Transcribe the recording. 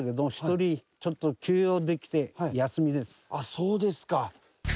そうですか。